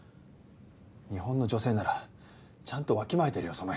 日本の女性ならちゃんとわきまえてるよ